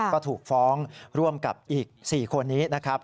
ก็ถูกฟ้องร่วมกับอีก๔คนนี้นะครับ